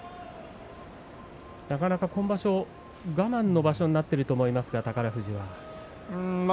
なかなか宝富士は我慢の場所になっていると思いますけれどもね。